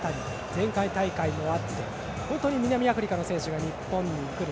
前回大会でも対戦があって本当に南アフリカの選手が日本に来る。